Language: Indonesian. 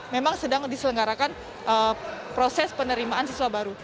memang sedang diselenggarakan proses penerimaan siswa baru